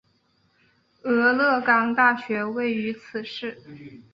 俄勒冈大学位于此市。